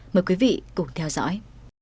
mời quý vị cùng theo dõi